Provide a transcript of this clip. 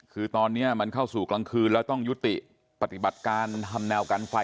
คือตอนนี้มันเข้าสู่กลางคืนแล้วต้องยุติปฏิบัติการทำแนวกันไฟ